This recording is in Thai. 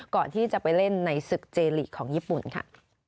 ก่อนที่จะไปเล่นในศึกเจลีกของญี่ปุ่นค่ะ